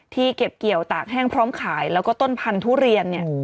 เก็บเกี่ยวตากแห้งพร้อมขายแล้วก็ต้นพันธุเรียนเนี่ย